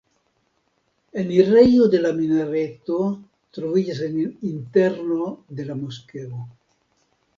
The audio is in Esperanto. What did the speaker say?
Enirejo de la minareto troviĝas en interno de la moskeo.